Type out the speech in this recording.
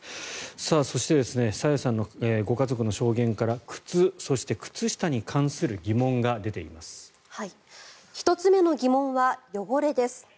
そして朝芽さんのご家族の証言から靴と靴下に関する１つ目の疑問は汚れです。